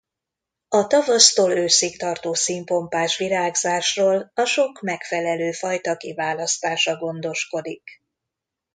A tavasztól őszig tartó színpompás virágzásról a sok megfelelő fajta kiválasztása gondoskodik.